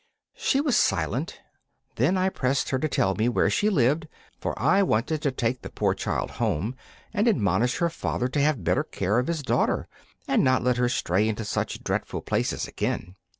She was silent. Then I pressed her to tell me where she lived, for I wanted to take the poor child home and admonish her father to have better care of his daughter and not let her stray into such dreadful places again.